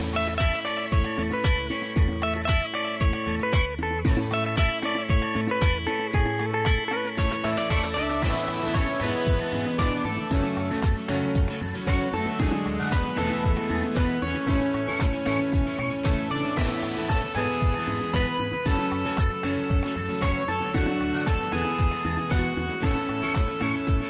โปรดติดตามตอนต่อไป